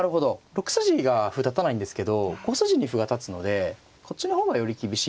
６筋が歩立たないんですけど５筋に歩が立つのでこっちの方がより厳しいという。